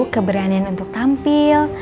keberanian untuk tampil